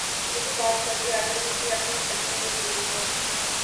یہی بات سعودی عالم نے بھی اپنے فتوے میں کہی ہے۔